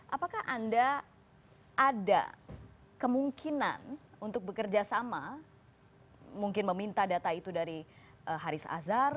apakah anda ada kemungkinan untuk bekerja sama mungkin meminta data itu dari haris azhar